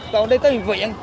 còn đây tới bệnh viện